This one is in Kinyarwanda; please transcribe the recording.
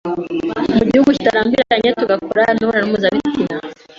mu gihe kitarambiranye tugakora imibonano mpuzabitsina.